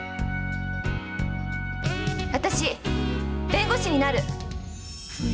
私弁護士になる！